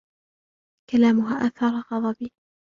كلامها أثار غضبي.